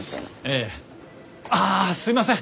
ええ。ああすいません